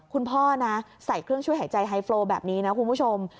คุณพ่อนะใส่เครื่องช่วยหายใจไฮโฟร์แบบนี้นะคุณผู้ชม